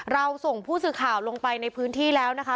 เราส่งผู้สื่อข่าวลงไปในพื้นที่แล้วนะคะ